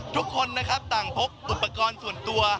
ทุกคนนะครับต่างพกอุปกรณ์ส่วนตัว